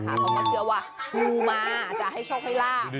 เขาก็เชื่อว่างูมาจะให้โชคให้ลาบ